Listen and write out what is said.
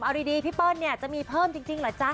เอาดีพี่เปิ้ลจะมีเพิ่มจริงหรือจ๊ะ